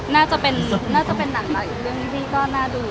น่าจะเป็นหนังเรื่องอีกที่น่าดู